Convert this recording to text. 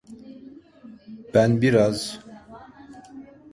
Ben biraz…